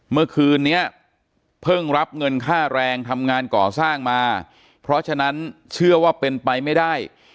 เมื่อคืนนี้เพิ่งรับเงินค่าแรงทำงานก่อสร้างมาเพราะฉะนั้นเชื่อว่าเป็นไปไม่ได้